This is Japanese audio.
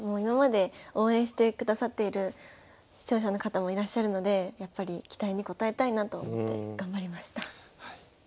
今まで応援してくださっている視聴者の方もいらっしゃるのでやっぱり期待に応えたいなと思って頑張りました。